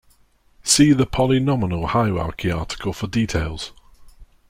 See the polynomial hierarchy article for details.